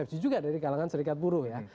ya persis juga dari kalangan serikat buruh ya